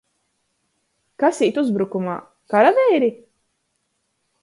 Kas īt uzbrukumā? Karaveiri!